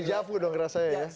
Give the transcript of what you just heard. dejavu dong rasanya ya